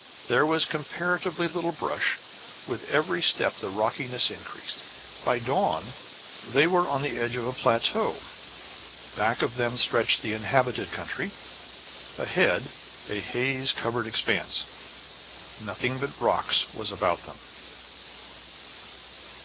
There was comparatively little brush; and with every step the rockiness increased. By dawn they were on the edge of a plateau; back of them stretched the inhabited country; ahead, a haze covered expanse. Nothing but rocks was about them.